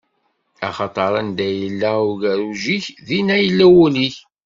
Axaṭer anda yella ugerruj-ik, dinna i yella wul-ik.